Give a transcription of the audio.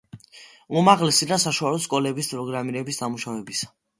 უმაღლესი და საშუალო სკოლების პროგრამების დამუშავებისა.